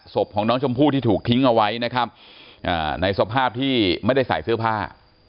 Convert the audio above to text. ศพของน้องชมพู่ที่ถูกทิ้งเอาไว้นะครับในสภาพที่ไม่ได้ใส่เสื้อผ้า